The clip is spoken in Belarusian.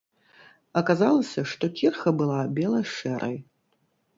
Аказалася, што кірха была бела-шэрай.